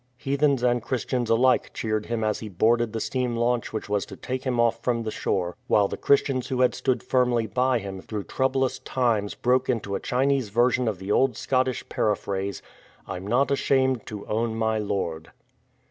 Heathens and Christians alike cheered him as he boarded the steam launch which was to take him off from the shore, while the Christians who had stood firmly by him through troublous times broke into a Chinese version of the old Scottish paraphrase, " I'm not ashamed to own my Lord.''''